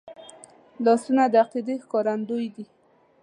لاسونه د عقیدې ښکارندوی دي